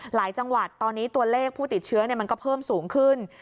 หลายจังหวัดตอนนี้ตัวเลขผู้ติดเชื้อมันก็เพิ่มสูงขึ้น